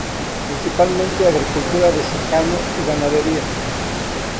Principalmente agricultura de secano y ganadería.